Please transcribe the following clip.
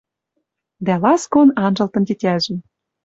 Дӓ ласкон анжылтын тетяжӹм.